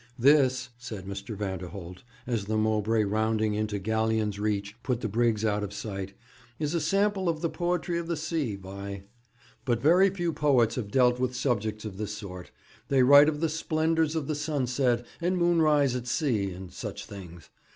'This,' said Mr. Vanderholt, as the Mowbray, rounding into Galleon's Reach, put the brigs out of sight, 'is a sample of the poetry of the sea, Vi. But very few poets have dealt with subjects of this sort. They write of the splendours of the sunset and moon rise at sea, and such things.